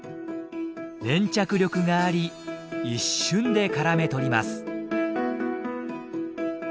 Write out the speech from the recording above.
粘着力があり一瞬でからめ捕ります。